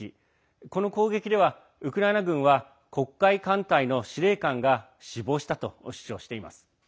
この攻撃ではウクライナ軍は黒海艦隊の司令官が死亡したと主張しています。